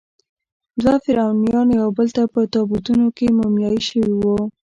دوه فرعونیان یوبل ته په تابوتونو کې مومیایي شوي وو.